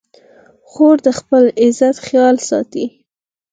خور د خپل عزت خیال ساتي.